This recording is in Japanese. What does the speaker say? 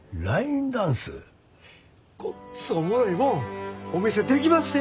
ごっつおもろいもんお見せできまっせ。